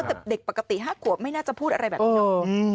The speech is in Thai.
แต่เด็กปกติ๕ขวบไม่น่าจะพูดอะไรแบบนี้เนาะ